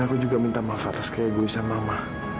dan aku juga minta maaf atas keegoisan mama